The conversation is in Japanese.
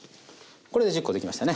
これで１０コ出来ましたね。